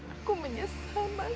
aku menyesal mas